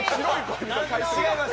違います。